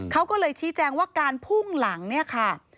เขาก็เลยชี้แจงว่าการพุ่งหลังเนี่ยค่ะ